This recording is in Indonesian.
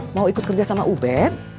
mau ikut kerja sama ubed